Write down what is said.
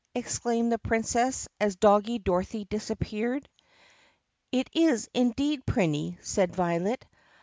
exclaimed the Princess as Doggie Dorothy disappeared. "It is indeed, Prinny," said Violet.